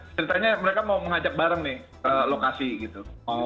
ceritanya mereka mau mengajak bareng nih ke lokasi gitu